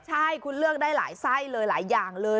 ใช่คุณเลือกได้หลายไส้เลยหลายอย่างเลย